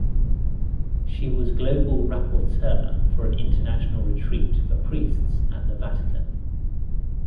She was global rapporteur for an international retreat for priests at the Vatican.